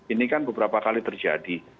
ini kan beberapa kali terjadi